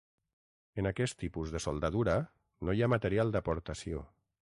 En aquest tipus de soldadura no hi ha material d'aportació.